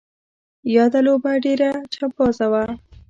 یاده لوبه ډېره چمبازه وه.